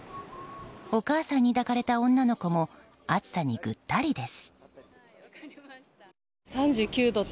お母さんに抱かれた女の子も暑さにぐったりです。